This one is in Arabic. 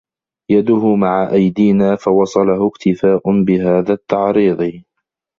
يَدُهُ مَعَ أَيْدِينَا فَوَصَلَهُ اكْتِفَاءٌ بِهَذَا التَّعْرِيضِ